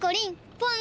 ポン！